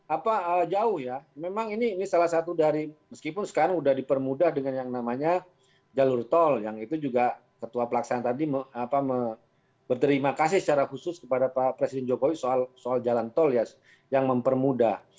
apa jauh ya memang ini salah satu dari meskipun sekarang sudah dipermudah dengan yang namanya jalur tol yang itu juga ketua pelaksanaan tadi berterima kasih secara khusus kepada pak presiden jokowi soal jalan tol ya yang mempermudah